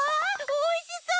おいしそう！